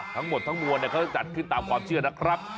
ทั้งหมดทั้งมวลเขาจะจัดขึ้นตามความเชื่อนะครับ